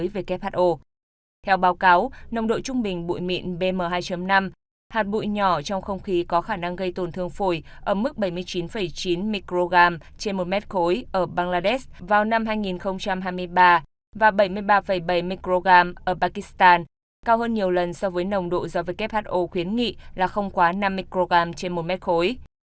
và bảy mươi ba bảy microgram ở pakistan cao hơn nhiều lần so với nồng độ do who khuyến nghị là không quá năm microgram trên một mét khối